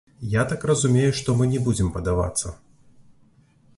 Я так разумею, што мы не будзем падавацца.